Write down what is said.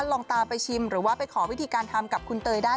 ลองตามไปชิมหรือว่าไปขอวิธีการทำกับคุณเตยได้